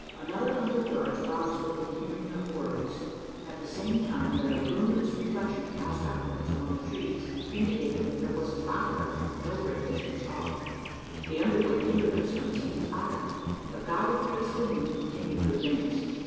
Another hundred yards brought us within hearing of words at the same time that a luminous reflection cast upwards upon the trees, indicated that there was a fire at no great distance off. The underwood hindered us from seeing the fire; but guided by its gleam, we continued to advance.